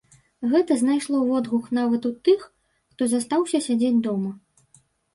Гэта знайшло водгук нават у тых, хто застаўся сядзець дома.